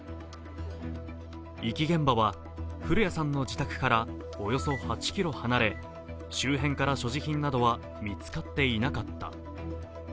遺棄現場は古屋さんの自宅からおよそ８ｋｍ離れ周辺から所持品などは見つかっていなかった。